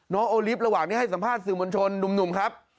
โอลิฟต์ระหว่างนี้ให้สัมภาษณ์สื่อมวลชนหนุ่มครับ